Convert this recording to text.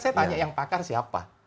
saya tanya yang pakar siapa